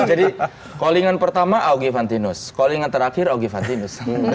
jadi calling an pertama augie fantinus calling an terakhir augie fantinus